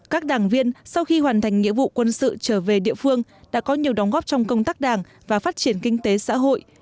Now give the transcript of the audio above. các đảng viên sau khi hoàn thành nghĩa vụ quân sự trở về địa phương đã có nhiều đóng góp trong công tác đảng và phát triển kinh tế xã hội